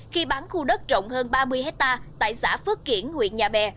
khi bán khu đất rộng hơn ba mươi hectare tại xã phước kiển huyện nhà bè